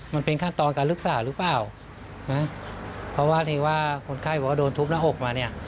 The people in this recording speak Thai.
มันเป็นขั้นตอนการรักษาหรือเปล่านะเพราะว่าที่ว่าคนไข้บอกว่าโดนทุบหน้าอกมาเนี่ย